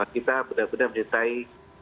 kita benar benar menentai